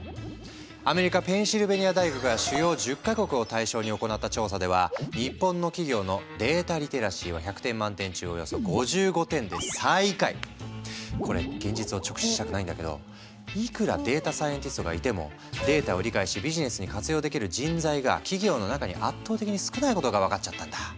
アメリカペンシルベニア大学が主要１０か国を対象に行った調査では日本の企業のデータリテラシーは１００点満点中およそ５５点でこれ現実を直視したくないんだけどいくらデータサイエンティストがいてもデータを理解しビジネスに活用できる人材が企業の中に圧倒的に少ないことが分かっちゃったんだ。